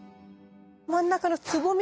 真ん中のつぼみがさ。